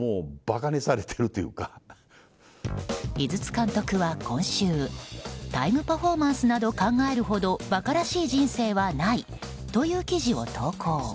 井筒監督は今週タイムパフォーマンスなど考えるほどばからしい人生はないという記事を投稿。